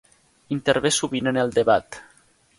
Intervé sovint en el debat.